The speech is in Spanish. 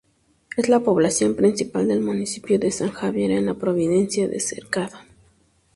Es la población principal del municipio de San Javier, en la provincia de Cercado.